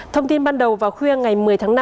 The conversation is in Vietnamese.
thông tin ban đầu vào khuya ngày một mươi tháng năm